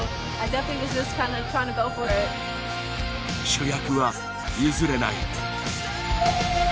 主役は、譲れない。